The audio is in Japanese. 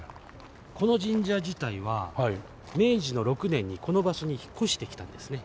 この神社自体は明治の６年にこの場所に引っ越してきたんですね。